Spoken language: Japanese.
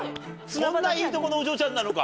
そんないいとこのお嬢ちゃんなのか。